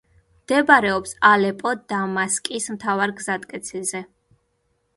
მდებარეობს ალეპო—დამასკის მთავარ გზატკეცილზე.